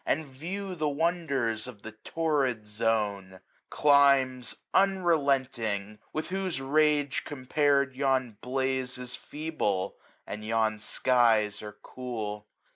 And view the wonders of the Torrid Zone : Climes unrelenting ! with whose rage compar'd. Yon blaze is feeble, and yon skies are cool.